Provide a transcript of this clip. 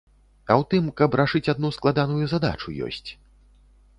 А ў тым, каб рашыць адну складаную задачу, ёсць.